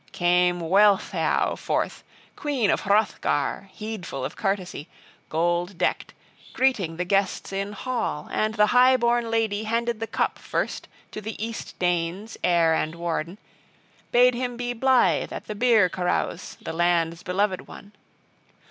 Came Wealhtheow forth, queen of Hrothgar, heedful of courtesy, gold decked, greeting the guests in hall; and the high born lady handed the cup first to the East Danes' heir and warden, bade him be blithe at the beer carouse, the land's beloved one.